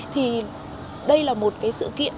thì đây là một cái sự kiện